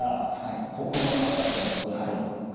ここがかかとだぞと。